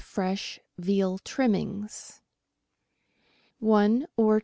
fresh veal trimmings. 4 oz.